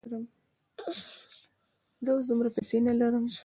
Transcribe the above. زه اوس دومره پیسې نه لرم.